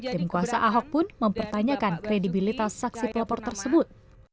tim kuasa ahok pun mempertanyakan kredibilitas saksi pelapor tersebut